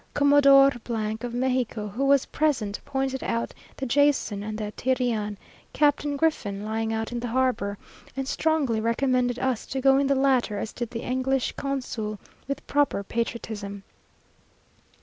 Commodore , of Mexico, who was present, pointed out the Jason, and the Tyrian, Captain Griffin, lying out in the harbour, and strongly recommended us to go in the latter, as did the English consul, with proper patriotism.